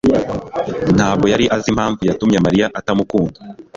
ntabwo yari azi impamvu yatumye Mariya atamukunda.